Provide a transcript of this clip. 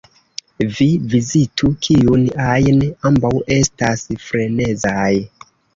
Vi vizitu kiun ajn; ambaŭ estas frenezaj.